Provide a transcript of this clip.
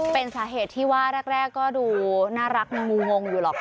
เป็นสาเหตุที่ว่าแรกก็ดูน่ารักงูงงอยู่หรอก